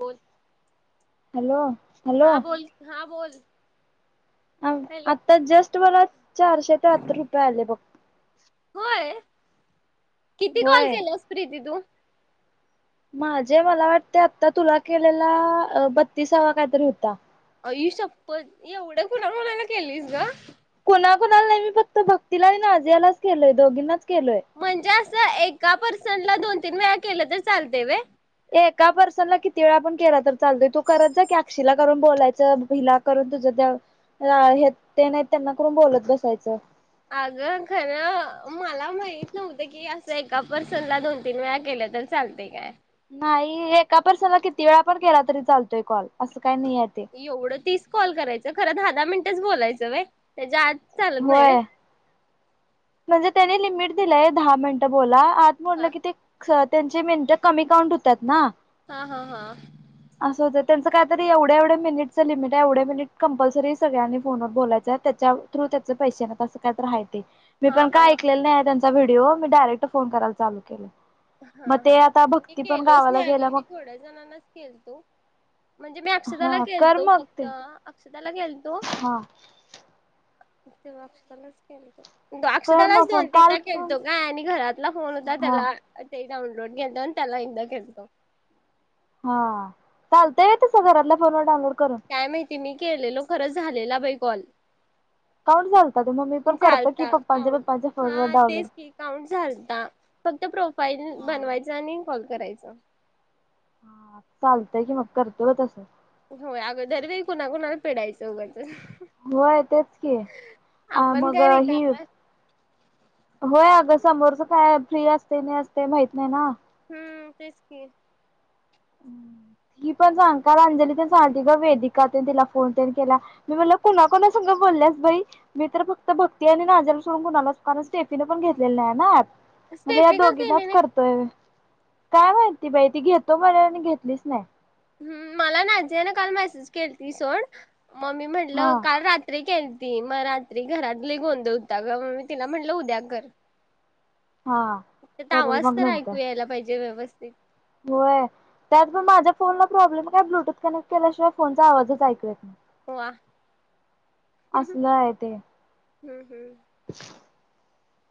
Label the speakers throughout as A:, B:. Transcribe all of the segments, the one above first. A: बत
B: हॅलो
A: हा बोल हा बोल
B: अ
A: हॅलो
B: आता जस्ट बर चारशे तेहत्तर रुपये आले बघ
A: होय किती कॉल
B: होय
A: केलास प्रीती तू
B: माझे मला वाटतंय तुला केलेला बत्तीसावा काहीतरी होता
A: आई शप्पथ एवढं कुणा कुणाला केलस ग
B: कुणा कोुणाला नाही मी फक्त भक्तीला नाज्यालाच केलय दोघींना
A: म्हणजेच एका पर्सन ला दोन तीन वेळा केलं तर चालतय व्हय
B: एका पर्सनला किती वेळ आपण केला तर चालतोय तू करत जा की आक्षीला करून बोलायचं भिला करून तुझं हे ते नाही त्यांना करून बोलत बसायचं
A: अगं खरं मला माहित नव्हतं की असं एका पर्सनला दोन तीन वेळा केल्या तर चालतय काय
B: नाही एका पर्सनला किती वेळा पण केला तरी चालतोय कॉल अस
A: एवढं तीस कॉल करायच खरं दहा मिनिटेच बोलायचं व्हय त्याच्या चालत नाही होय
B: म्हणजे त्यानी लिमिट दिलंय दहा मिनटं बोला आत म्हटलं
A: हा
B: कि ते त्यांची मिनटं कमी काउंट होतात ना.
A: हा हा हा.
B: असं होतं त्यांचं कायतरी एवढ्या एवढ्या मिनिटचं लिमिट हाय एवढ्या मिनिट कंपसरी सगळ्यांनी फोनवर बोलायचं आहे त्याच्या थ्रू त्याचे पैसे ना तसं काय तर हाय ते. मी
A: हा
B: पण का
A: हा
B: ऐकलेल नाही आता व्हिडिओ मी डायरेक्ट फोन कराय चालू केलय
A: हा हा मी केलोच
B: गेल्या
A: नाही
B: मग
A: मी थोड्या जणांनाच केलतो म्हणजे मी अक्षदाला
B: हा कर
A: केलतो
B: मग
A: फक्त
B: ते
A: स् त्याला गेलतो.
B: हा
A: ते अक्षरालाच केल तो.
B: कर मग
A: अक्षतालाच
B: फोन
A: दोन तीन
B: काल
A: त केलंतो काय आणि घरातला फोन होता
B: हा
A: त्याला. डाउनलोड कता त्याला ये केलं तो-
B: हा. चालतय तसं घराला. [inaudible]
A: काय माहितीय मी केलेलो खरं झालेला बाई कॉल
B: अकाउंट चालतं ते मग मी पण करतो की
A: झालता
B: पप्पांच्या पप्पांच्या
A: काउंट
B: फोनवर
A: हा
B: डाउनलोड.
A: तेच कि काउंट झालता फक्त प्रोफाईल
B: हा.
A: बनवायच आणि कॉल करायचा.
B: हा चालतय कि मग करतो का तसं
A: होय अगदर कुणाकुणाला पेडायचं वघड
B: होय तेच की
A: आपण
B: मग
A: काय
B: हि
A: रिकामं
B: होय समोरच काय फ्री असते नाही असते माहित नाही ना.
A: हम्म तेच कि.
B: ती पण सांग का अंजलीसांगती ग वेदिका तिला फोन ते केला मी म्हला कुणाकणा संग बोलल्यास बाई मी तर फक्त भक्ती आहे आणि नाजल सोडून कुणालाच स्टेप तिने पण घेतलेले नाही आहे ना म्हणज या
A: स्टेफिका
B: दोघीनाच
A: केलेली
B: करतोय काय माहिती बाई ती घेतो म्हणलेली घेतलीच नाही.
A: हम्म मला नाझिया नी काल मेसेज केली ती सोड म मी म्हणले
B: हा.
A: काल रात्री ती मग रात्री घरातली गोंधळ हुता ग मग मी तिला म्हटलं उद्या घर.
B: हा
A: त्यात
B: करल
A: आवाज
B: मग
A: तर
B: नंतर
A: ऐकू यायला पाहिजे व्यवस्थ [inaudible]
B: होय त्यात मग माझ्या फोनला प्रॉब्लेम काय ब्लूटूथ कनेक्ट केल्याशिवाय फोनचा आवाजच ऐकू येत नाही.
A: वा.
B: असलं आहे ते.
A: हम्म हम्म.
B: [inaudible]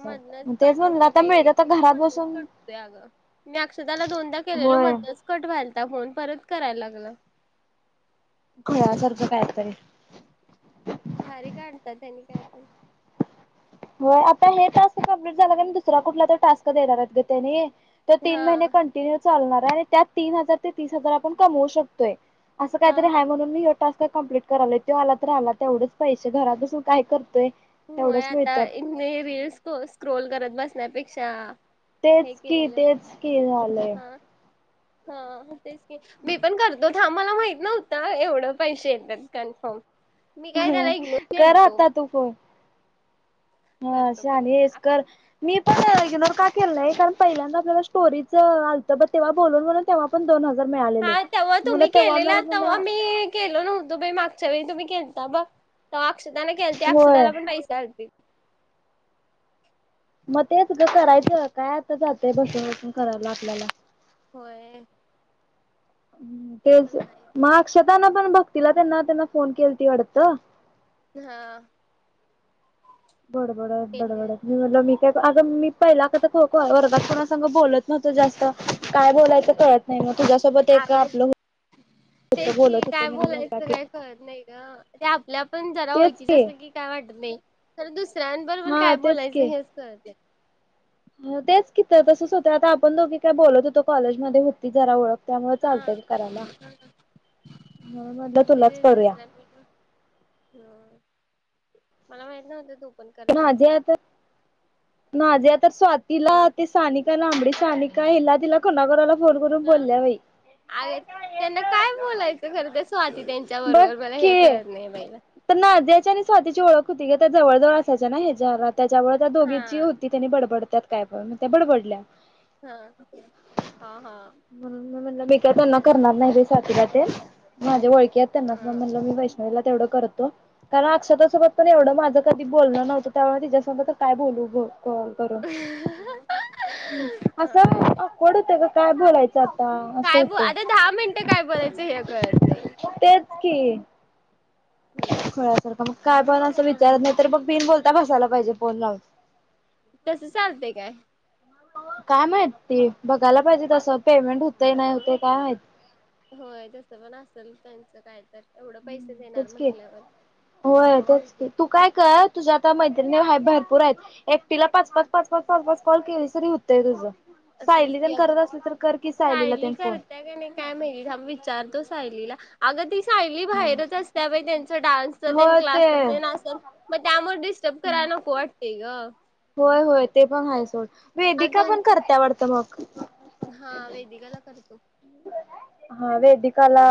A: मधनच
B: तेच
A: कट
B: म्हणलं
A: होतय
B: आता
A: बाई,
B: मिळतं तर
A: एक एकदा
B: घरात
A: मधनच
B: बसून
A: कट होतय अगं मी अक्षताःला दोनदा केलेलो
B: होय
A: मधनच कट व्हायल आता फोन परत करायला लागला.
B: खुळ्यासारखं कायतरी.
A: भारी काढतात. त्यांनी काय पण.
B: हो आता हे त अस कम्प्लीट झा की नाही दुसरा कुठला तर टास्क देणार आहेत ग त्यानी. त
A: हा
B: तीन महिने कंटिन्यू चालणार त्यात तीन हजार ते तीस हजार आपण कमवू शकतोय. असं
A: हा
B: काहीतरी
A: हा
B: आहे म्हून मी टास्क कम्प्लीट करायलोय तो आला तर आला तेवढंच पैसे घरात बसून काय करतोय.
A: होय
B: तेवढंच
A: आता
B: मिळत्यात.
A: इतनी रिल्स स्कोल स्क्रोल करत बसण्यापेक्षा हे
B: तेच की
A: केलेलं
B: तेच की झालंय.
A: हा तेच मी पण करतो. आम्हाला माहित नव्हत एवढं पैसे येतात कन्फर्म. मी काय त्याला
B: हम
A: इग्नोर
B: कर
A: केलतो
B: आता तू फोन. हा
A: करतो
B: शहाणी
A: करतो
B: एस कर मी पण का केलं नाही कारण पहिल्यांदा आपल्याला स्टोरीच आलत, तेव्हा बोलून बोलून तेव्हा पण दोन हजा
A: हा तेव्हा तुम्ही केलेला
B: मला
A: तेव्हा मी केलो नव्हतो बई माग च्या वेळी तुम्ही केलता बग तेव्हा अक्षदानी केलते अक्षदा
B: होय
A: ला पण पैसे आलते.
B: मग तेच ग करायचं काय आता जातय बसून बसून करायला आपल्याला.
A: होय. ते
B: तेच
A: पण आहे
B: म अक्षत निघताना पण भक्तीला त्यांना त्यांना फोन केलती वाटतं वाटतं.
A: हा.
B: बड बड बड बड मी म्हणलं मी काय आज मी पहिला कता खोखो वर्गात कोणा संग बोलत नव्हतो जास्त. काय बोलायचं कळत नाही मग. तुझ्यासोबत एक
A: आर
B: आपलं होत
A: तेच
B: बोलत
A: कि
B: होत
A: काय
B: म्हणून मग
A: बोलायचं
B: बाकी
A: काही कळत नाही ग ते आपल्या आपण जरा ओळखीचा असल की काय वाटत नाही. तर दु इतरां बरोबर
B: हा
A: काय
B: तेच
A: बोलायचं
B: की
A: हेच कळते
B: तेच किती तसच होतंय आता पण दोघी काय बोलत होतो कॉलेजमध्ये होती जरा ओळख त्यामुळे
A: हा
B: चालतंय करायला म्हणून म्हटलं
A: उे
B: तुलाच
A: व
B: करूया
A: दुसऱ म ह मला माहित नव्हतं तु
B: नाझिया तर स्वातीला
A: हम्म.
B: ते सानिका लांबडी सानिका हिला स्वाती
A: अगे त्यांना काय बोलायचं [unintelligible]
B: बघ
A: बरोबर मला
B: की
A: हे कळत नाही बाईला.
B: [unintelligible] आणि स्वातीची ओळख होती त्या जवळजवळ असायच्या ना ह्या [inaudible] त्याच्यामुळे त्या दोघीची
A: हा.
B: होती की नाही बडबड त्यात काय पण त्या बडबडल्या
A: हां -हां हां
B: म्हणून मी म्हनल मी काही त्यांना करणार नाही बाई स्वातीला फोन [inaudible] त्यांना
A: हा.
B: म्हणलं मी वैष्णवीला तेवढं कर अ तू - ताई [inaudible] पण एवढं माझं कधी बोलण नव्हतं त्यामुळे तिच्यासोबत काय बोलू [unintelligible] कॉल करा - हं असं
A: होय
B: ऑकवर्ड होत ग काय बोलायचं आता असं
A: काय ब
B: होतंय
A: आता दहा मिनटं काय बोलायचं हे कळत नाही
B: के
A: हम्म
B: काय पण असं विचारत नाही तर बग बिन बोलता [inaudible] पाहिजे फोन लावून
A: तस चालतय काय
B: काय माहित ती-बघायला पाहिजे तस पेमेंट होतय नाही होतय ते काय माहित
A: होय तस पण असेल त्यांचं कायतरी
B: हं तेच की होय तेच की तू काय कर तुझ्या आता मैत्रिणीआहेत भरपूर आहेत एकटीला पाच पाच पाच पाच [inaudible] कॉल केली तरी होतंय तुझं
A: असच
B: सायली
A: की
B: तेन
A: अग
B: करत असली तर कर की सायलीला
A: सायली
B: तेन फोन
A: करतय का नाही काय माहीत थांब विचारतो सायलीला अग ती सायली
B: हा
A: बाहेरच असते अग त्यांच डान्सच त्यांच
B: होय ते
A: क्लासच असत मग त्यामुळे डिस्टर्ब करायला नको वाटतय ग
B: होय होय ते पण हाय वेदिका पण करते आवडत मग [unintelligible]
A: हां वेदिकाला करतो
B: हा वेदिकाला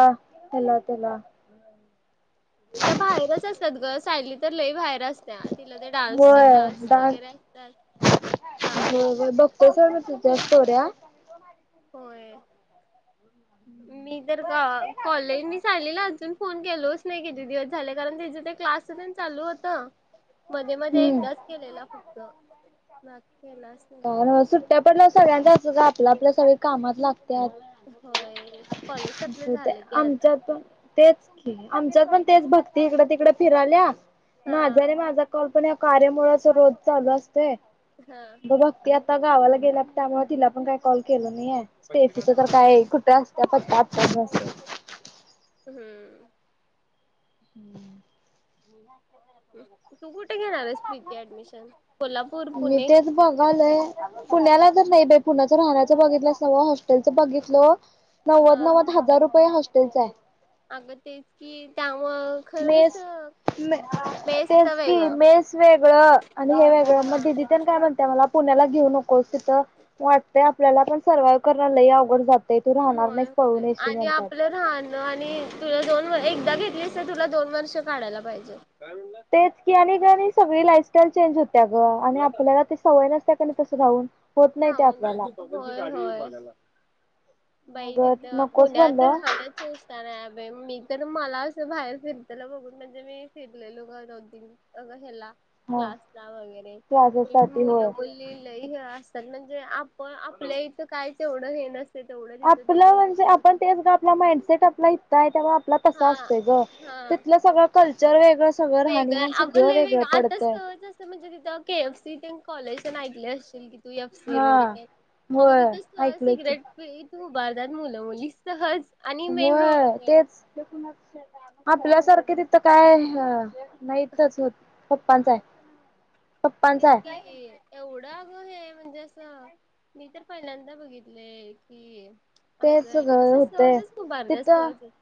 B: [inaudible]
A: त्या बाहेरच अस तेच ग सायली तर लई बाहेर तेच ना तिला ते डान्स
B: होय
A: क्लास
B: डान्स
A: वगैरे असत्याल -
B: होय
A: थांबून तुला
B: होय बघतोय सोड
A: [inaudible]
B: मी तुझ्या स्टोऱ्या
A: मी तर का कॉलेज मी सायलीला अजून फोन केलोच नाही कीती दिवस हल्ली गव्हर्नमेंट चं ते क्लास चं पणं चालू होतं मध्ये मध्ये
B: हम्म
A: एकदाच केलेला फक्त क्लास केलाच नाही
B: आपल्या आपल्या सगळे कामात लाग
A: होय कॉलेज आपलं झालं की आता
B: आमच्यात पण तेच आमच्यात पण तेच भक्ती इकड तिकड फिरा ल्या
A: हा
B: माझा रे माझा पणं या कार्यामुळे असं रोज चाल ते
A: हा
B: बाबा त्यात त्या गावाला गेल्यात त्यामुळे तिला पण काही कॉल केला तिथे तर
A: होय
B: काय कुठे असत.
A: हम्म.
B: हम्म.
A: तू कु
B: मी
A: पुणे
B: तेच बघालोय पुण्याला तर नाही बाई पुण्याचं राहण्या बघितलं सगळे हॉस्टेलचं बघितलो. नव्वद नव्वद हजार रूपये हो तेच आहे.
A: अग तेच की त्या
B: मेस
A: बेस्ट
B: तेच
A: वेग
B: कि
A: हा
B: मेस वेगळं आणि हे वेगळं मग दिदी तेन काय म्हणते मला. पुण्याला घेऊ नकोस तिथं वाटतय आपल्याला पण सर्वाइव्ह करण लय अवघड जात. तिथं राहणार
A: होय
B: नाहीच पळून
A: होय
B: येशील
A: आणि
B: म्हणतात.
A: आपलं राहणं आणि तुला दोन एकदा घेतलीस तर तुला दोन वर्ष काढायला पाहिजे. म्हणला
B: तेच की आणि ग आणि सगळी लाइफस्टाईल चेंज होती. आणि आपल्याला ती सवय नसते. तसं राहून होत नाही
A: जा
B: ते आपल्याला
A: होय होय बाई
B: मग
A: तिथ
B: नकोच
A: पुण्यात
B: म्हणलं
A: राहणच असताना मी तर मला असं बाहेर फिरताला बघून म्हणजे मी फिरलेलो ग दोन, तीन अगं ह्याला
B: हा
A: क्लासला वगैरे
B: क्लासेस साठी
A: मुलं,
B: होय.
A: मुली लय [unintelligible] म्हणजे, आपण आपल्या इथ काय तेवढं ये न
B: आपलं म्हणजे, आपण तेच ग, आपला माइंडसेट आपला [unintelligible] त
A: हा
B: असतय ग, तिथलं सगळं कल्चर वेगळं सगळं
A: वेगळा
B: राहणीमान
A: अग
B: सगळं
A: लई
B: वेगळं
A: वेगंळ आताच
B: पडतंय.
A: म्हणजे तिथं के एफ सी कॉलेज ऐकल अस त एफ सी
B: हा
A: रोड अग
B: होय
A: तिथ
B: ऐकलोय की
A: सिगरेट प तू उभारतात मुलं मुली सहज आणि
B: हो
A: मेन रोडवर
B: तेच तेथुनच आपल्यासारखे तिथं काय नाही तच पप्पांच हाय
A: तेच की एवढा होय म्हणजे असं मी तर पहिल्यांदा बघितलय की
B: तेच
A: असं
B: ग
A: असं
B: होतय
A: सहजच उभारतात
B: तिथं
A: सहजच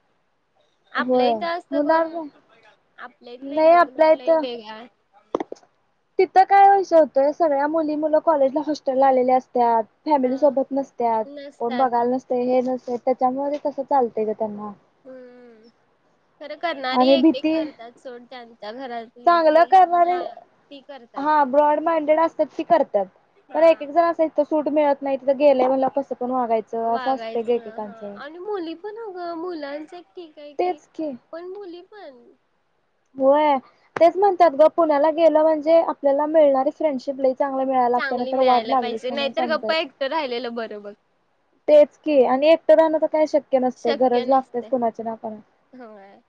A: आपल्या
B: होय
A: इथ असत कोण
B: होणार
A: आपल्या इत
B: नाही आपल्या
A: इन्वरमेंट लय
B: इथं
A: वेगळा हाय
B: तिथं काय वैस होतंय सगळ्या मुली मुलं कॉलेज ला हॉस्टल ला आलेली असत फॅमिली
A: हा
B: सोबत नसत्या कोण
A: नसतात
B: बघायला नसतय हे तर त्याच्यामुळ कसं चालतय ग त्यांना
A: हम्मम खरं करणारी
B: आणि
A: एकक
B: भीती
A: करतात सोड त्यांच्या घरात
B: चांगलं
A: ह
B: करणारे
A: [inaudible] ती करतात
B: त ती कर पण
A: हा
B: एक एक जण असाय सूट मिळत नाही तिथ गेलंय मला कसं पण वागायचं असं असतंय एकेकांचं
A: पणं मुलांचे ठीक हाय की पण मुली पण
B: होय तेच म्हणतात ग पुण्याला गेलं म्हणजे आपल्याला मिळणारी फ्रेंडशिप ल
A: चांगली मिळायला पाहिजे नाहीतर गप्प
B: समजायचं
A: एकट राहिलेल बर मग.
B: तेच की आणि एकट राहण काय शक.. शक्य नसतय
A: शक्य
B: गरज लागतेच
A: नसते
B: कुणाची ना कुणाची.
A: होय.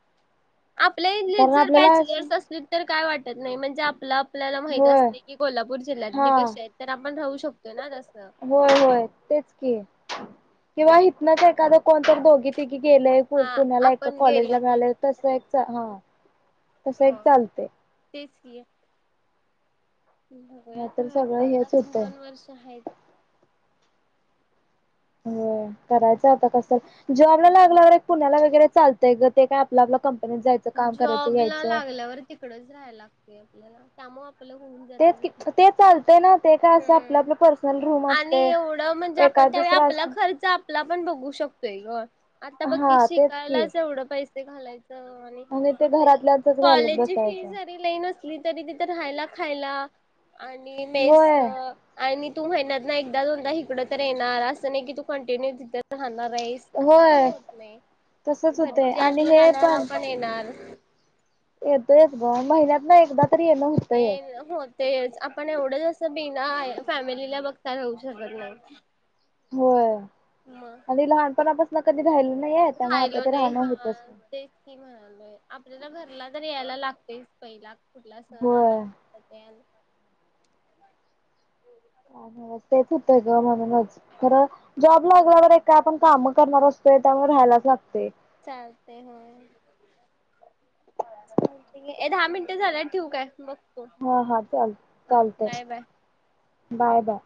A: आपल्या [unintelligible] बॅचलर्स असतील तर काय वाटत नाही म्हणजे आ.. [inaudible] आपल्याला माहित
B: होय
A: असतय की कोल्हापूर जिल्ह्यातली
B: हा
A: कशी आहेत तर आपण राहू शकतो. ना तसं.
B: होय होय तेच की किवा हितनच एखाद.. कोणत दोघी तिघी गेले
A: हा
B: पुण्याला एका
A: आपण
B: कॉलेज
A: गेलो
B: ला
A: तर
B: मिळालय तस एक हा.. तस एक
A: हो
B: चालतय
A: [inaudible]
B: नाहीतर सगळं हेच
A: ह
B: होतंय
A: तेच
B: ह तेच
A: जॉबला लागल्यावर तिकडच राहायला लागते आपल्याला.
B: तेच
A: [unintelligible]
B: ते चालतंय ना ते काय असं आपलं
A: हम्
B: आपलं पर्सनल रूम
A: आणि
B: असते
A: एवढ म्हणजे,
B: एका
A: आपण त्या
B: दुसरा
A: आपला
B: असं
A: खर्च आपला पण बघू शकतोय ग. आता बकी
B: हा तेच की
A: शिकायलाच एवढ पै ते घालायच.
B: आणि ते घरातल्याचच घालत बसायच.
A: ली तरी तिथ राहायला खायला. आणि मेस
B: होय
A: आणि... तू महिन्यात एकदा दोनदा इकडे तर येणार, अस नाही की तू कंटिन्यू तिथ राहणार. [inaudible] अस पण
B: होय
A: होत नाही.
B: तसच होतय
A: घरीची
B: आणि
A: आठवण
B: हे
A: आल्यावर
B: पण
A: आपण येणार,
B: येतोयच ग महिन्यात ना एकदा.. तरी ये ना होतय.
A: तेच आपण एवढा दिवसा बिना फॅमिलीला बघता राहू शकत नाही.
B: होय
A: मग
B: आणि लहानपणापासून.. ला कधी राहिलं नाहीये त्यामुळे आता
A: राहिलो
B: ते
A: नाही
B: राहणं
A: हा
B: होतच नाही.
A: तेच की म्हणालोय. आपल्याला घरला तर यायला लागतेस पहिला. कुठला सण आला
B: होय
A: की [inaudible]
B: [unintelligible] तेच होतय ग म्हणूनच खर जॉब.. लागल्या वर काय? आपण काम करणार असतोय त्यामुळे राहायलाच लागते.
A: चालते होय. चालते, दहा मिनटं झाल्या ठेव काय मग
B: हा हा चाल चालतय.
A: Bye
B: bye bye